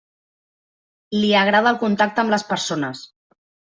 Li agrada el contacte amb les persones.